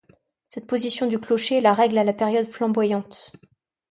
Cette position du clocher est la règle à la période flamboyante.